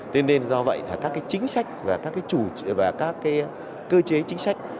cho nên do vậy các chính sách và các cơ chế chính sách